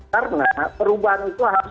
karena perubahan itu